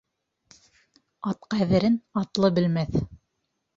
Ат ҡәҙерен атлы белмәҫ